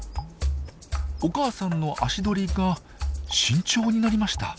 お母さんの足取りが慎重になりました。